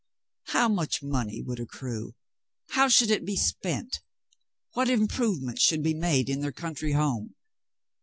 How much money would accrue ? How should it be spent ? "WTiat improvements should be made in their country home